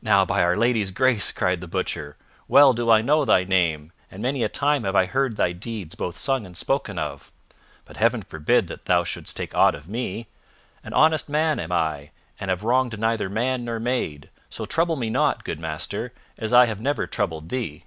"Now, by Our Lady's grace," cried the Butcher, "well do I know thy name, and many a time have I heard thy deeds both sung and spoken of. But Heaven forbid that thou shouldst take aught of me! An honest man am I, and have wronged neither man nor maid; so trouble me not, good master, as I have never troubled thee."